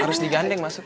harus diganding masuk